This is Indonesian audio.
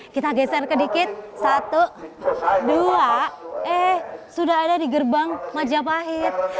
kita geser ke dikit satu dua eh sudah ada di gerbang majapahit